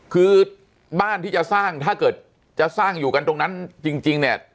คือบ้านที่จะสร้างถ้าเกิดจะสร้างอยู่กันตรงนั้นจริงเนี่ย